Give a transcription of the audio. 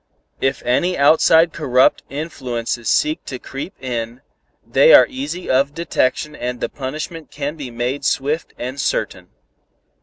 If any outside corrupt influences seek to creep in, they are easy of detection and the punishment can be made swift and certain."